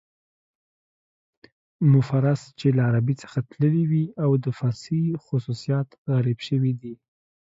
مفرس چې له عربي څخه تللي وي او د فارسي خصوصیات غالب شوي دي.